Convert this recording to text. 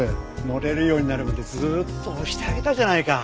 乗れるようになるまでずーっと押してあげたじゃないか。